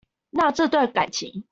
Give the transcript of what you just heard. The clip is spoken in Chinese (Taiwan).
那這段感情